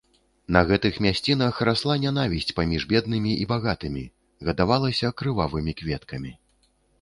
На гэтых мясцінах расла нянавісць паміж беднымі і багатымі, гадавалася крывавымі кветкамі.